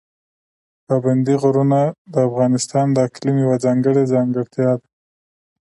پابندي غرونه د افغانستان د اقلیم یوه ځانګړې ځانګړتیا ده.